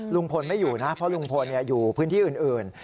ลุงพลไม่อยู่นะเพราะลุงพลอยู่พื้นที่อื่น